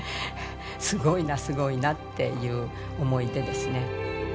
すごいなすごいなっていう思いでですね。